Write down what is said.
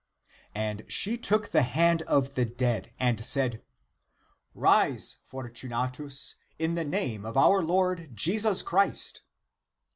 And she took the hand of the dead and said, " Rise, Fortunatus, in the name of our Lord Jesus Christ